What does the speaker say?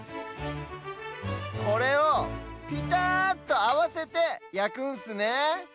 これをぴたっとあわせてやくんすねえ。